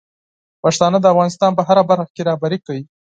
پښتانه د افغانستان په هره برخه کې رهبري کوي.